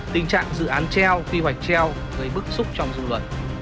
tình trạng dự án treo quy hoạch treo gây bức xúc trong dư luận